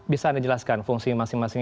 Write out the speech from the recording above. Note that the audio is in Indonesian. bisa anda jelaskan fungsi masing masing